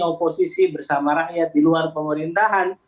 oposisi bersama rakyat di luar pemerintahan